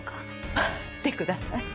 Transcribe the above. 待ってください。